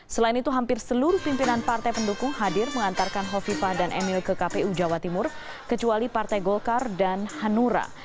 selain itu hampir seluruh pimpinan partai pendukung hadir mengantarkan hovifah dan emil ke kpu jawa timur kecuali partai golkar dan hanura